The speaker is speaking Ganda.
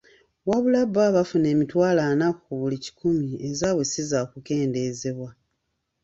Wabula bbo abafuna emitwalo ana ku buli kikumi ezaabwe ssi zaakukendeezebwa.